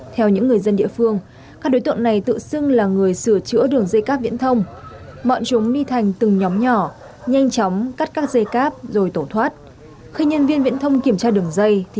theo những người dân địa phương các đối tượng này tự xưng là người sửa chữa đường dây cắp viễn thông